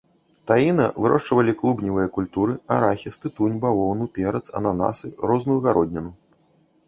Таіна вырошчвалі клубневыя культуры, арахіс, тытунь, бавоўну, перац, ананасы, розную гародніну.